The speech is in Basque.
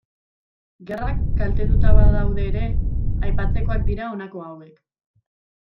Gerrak kaltetuta badaude ere, aipatzekoak dira honako hauek.